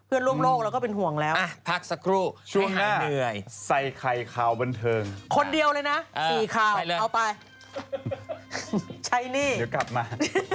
อีกค่ะเอาไปใช้นี่เดี๋ยวกลับมา